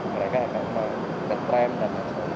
mereka akan ke tram dan lain sebagainya